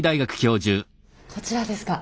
こちらですか？